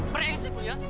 bresek lu ya